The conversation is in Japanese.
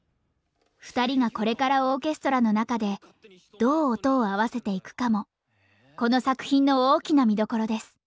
２人がこれからオーケストラの中でどう音を合わせていくかもこの作品の大きな見どころです。